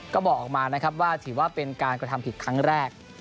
ก็บอกออกมานะครับว่าถือว่าเป็นการกระทำผิดครั้งแรก